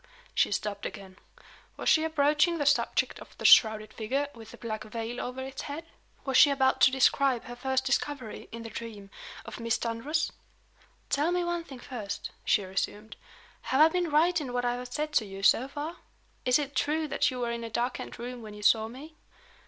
She stopped again. Was she approaching the subject of the shrouded figure, with the black veil over its head? Was she about to describe her first discovery, in the dream, of Miss Dunross? "Tell me one thing first," she resumed. "Have I been right in what I have said to you, so far? Is it true that you were in a darkened room when you saw me?"